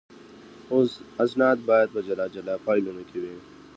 اسناد باید په جلا جلا فایلونو کې وي.